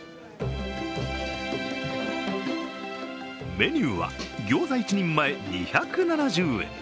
メニューはギョーザ１人前、２７０円。